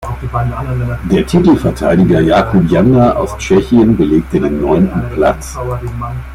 Der Titelverteidiger Jakub Janda aus Tschechien belegte den neunten Platz.